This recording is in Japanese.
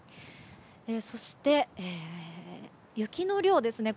そして、雪の量ですね。